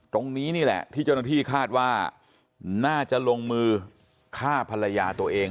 ตรงนี้นี่แหละที่เจ้าหน้าที่คาดว่าน่าจะลงมือฆ่าภรรยาตัวเอง